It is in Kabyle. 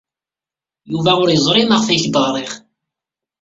Yuba ur yeẓri maɣef ay ak-d-ɣriɣ.